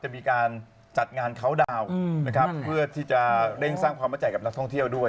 เพื่อที่จะเร่งสร้างความมาจ่ายกับนักท่องเที่ยวด้วย